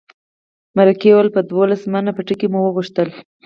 مرکې وویل په دولس منه بتکۍ مو وغوښتله.